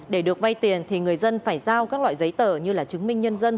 để được vay tiền thì người dân phải giao các loại giấy tờ như là chứng minh nhân dân